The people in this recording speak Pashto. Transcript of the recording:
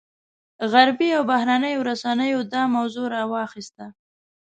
عربي او بهرنیو رسنیو دا موضوع راواخیسته.